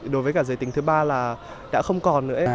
đối với cả giới tính thứ ba là đã không còn nữa